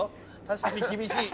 確かに厳しい。